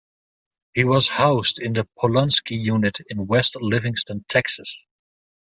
He was housed in the Polunsky Unit in West Livingston, Texas.